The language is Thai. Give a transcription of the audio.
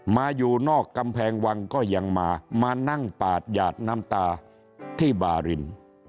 อยู่นอกกำแพงวังก็ยังมามานั่งปาดหยาดน้ำตาที่บาริน